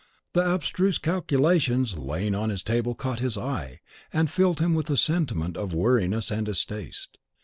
The abstruse calculations lying on his table caught his eye, and filled him with a sentiment of weariness and distaste.